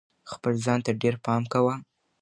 خپل ځان ته ډېر پام کوه.